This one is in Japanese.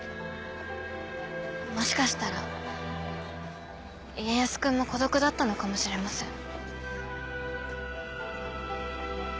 もしかしたら家康君も孤独だったのかもしれません。